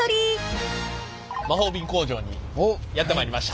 魔法瓶工場にやって参りました。